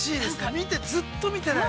見て、ずっと見てられる。